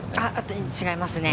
違いますね。